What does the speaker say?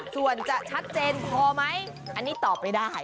เจนพอมั้ยอันนี้ตอบไปได้